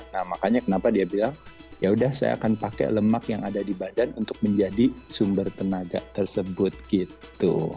nah makanya kenapa dia bilang yaudah saya akan pakai lemak yang ada di badan untuk menjadi sumber tenaga tersebut gitu